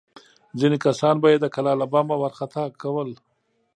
ځینې کسان به یې د کلا له بامه راخطا کول.